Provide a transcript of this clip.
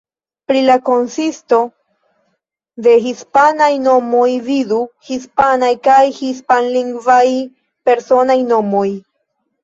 Pri la konsisto de hispanaj nomoj vidu: Hispanaj kaj hispanlingvaj personaj nomoj.